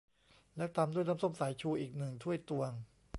แล้วตามด้วยน้ำส้มสายชูอีกหนึ่งถ้วยตวง